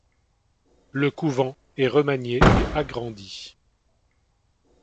Le couvent est remanié et agrandi.